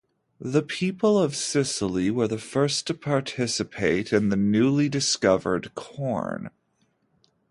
The people of Sicily were the first to participate in the newly discovered corn.